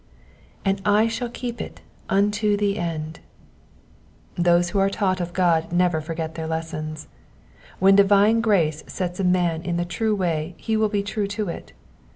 ^^And I Bhall keep it unto ike end,'*'* Those who are taught of God never forget their lessons. When divine grace sets a man in the true way he will be true to it.